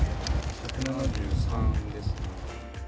１７３円ですね。